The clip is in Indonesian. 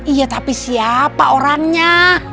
iya tapi siapa orangnya